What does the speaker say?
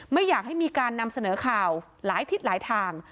ไม่อยากให้มีการนำเสนอข่าวหลายทิศหลายทาง